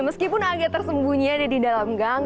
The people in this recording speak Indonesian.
meskipun agak tersembunyi ada di dalam gang